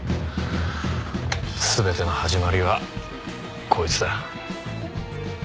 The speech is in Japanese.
全ての始まりはこいつだ。